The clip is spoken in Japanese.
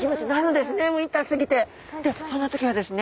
でそんな時はですね